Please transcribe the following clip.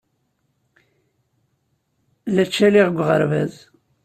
La ttcaliɣ deg uɣerbaz.